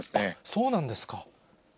そうなんですか。